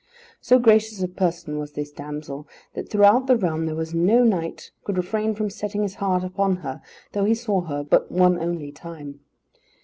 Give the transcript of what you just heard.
So gracious of person was this damsel, that throughout the realm there was no knight could refrain from setting his heart upon her, though he saw her but one only time.